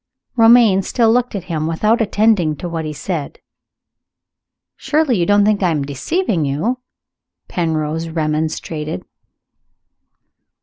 Romayne still looked at him without attending to what he said. "Surely you don't think I am deceiving you?" Penrose remonstrated.